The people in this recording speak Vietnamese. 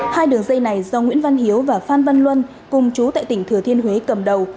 hai đường dây này do nguyễn văn hiếu và phan văn luân cùng chú tại tỉnh thừa thiên huế cầm đầu